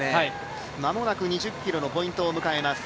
間もなく２０ｋｍのポイントを迎えます。